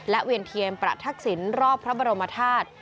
เวียนเทียนประทักษิณรอบพระบรมธาตุ